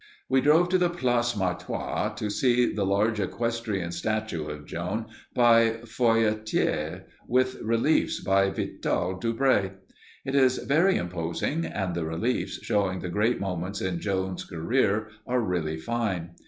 We drove to the Place Martroi to see the large equestrian statue of Joan by Foyatier, with reliefs by Vital Dubray. It is very imposing, and the reliefs, showing the great moments in Joan's career, are really fine.